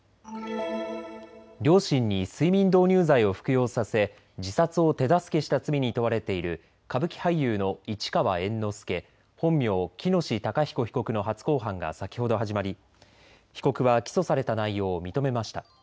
両親に睡眠導入剤を服用させ自殺を手助けした罪に問われている歌舞伎俳優の市川猿之助、本名・喜熨斗孝彦被告の初公判が先ほど始まり被告は起訴された内容を認めました。